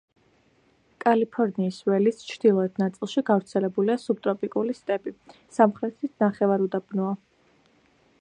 კალიფორნიის ველის ჩრდილოეთ ნაწილში გავრცელებულია სუბტროპიკული სტეპი, სამხრეთით ნახევარუდაბნოა.